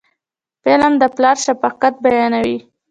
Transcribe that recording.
فلم د پلار شفقت بیانوي